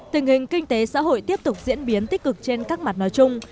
tình hình kinh tế xã hội tiếp tục diễn biến tích cực trên các mặt nói chung